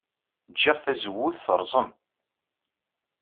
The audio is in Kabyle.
Ǧǧiɣ tazewwut terẓem.